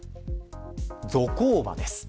ゾコーバです。